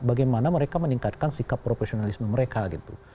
bagaimana mereka meningkatkan sikap profesionalisme mereka gitu